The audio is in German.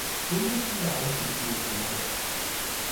Bundesliga ausgespielt wurde.